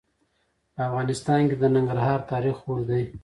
په افغانستان کې د ننګرهار تاریخ اوږد دی.